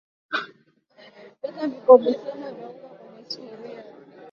Weka vikombe saba vya unga kwenye sufuria